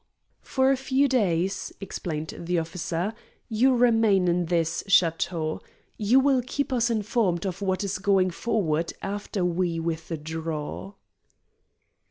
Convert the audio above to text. "For a few days," explained the officer, "you remain in this chateau. You will keep us informed of what is going forward after we withdraw."